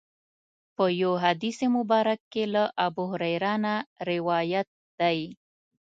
په یو حدیث مبارک کې له ابوهریره نه روایت دی.